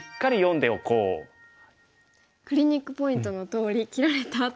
クリニックポイントのとおり切られたあとが。